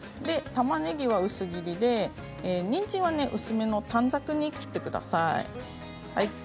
たまねぎは薄切りでにんじんは薄めの短冊に切ってください。